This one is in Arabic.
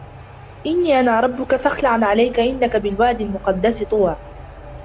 إني أنا ربك فاخلع نعليك إنك بالواد المقدس طوى